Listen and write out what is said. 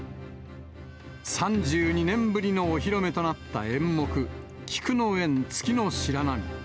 ３２年ぶりのお披露目となった演目、菊宴月白浪。